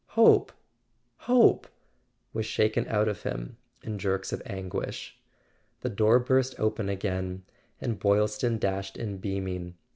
.. Hope ... hope . .was shaken out of him in jerks of anguish. The door burst open again, and Boylston dashed in beaming.